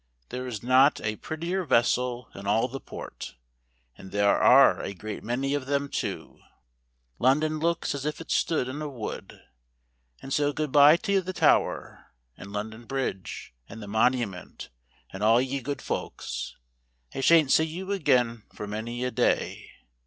There is not a pret¬ tier vessel in all the port; and there are a great many of them too : London looks as if it stood in a wood. And so good b'ye to the Tower, and London bridge, and the Monument, and all of ye good folks; I shan't see you again for many a day.